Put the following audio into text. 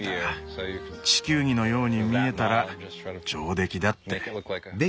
地球儀のように見えたら上出来だって。